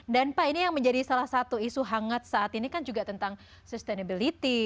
dan pak ini yang menjadi salah satu isu hangat saat ini kan juga tentang sustainability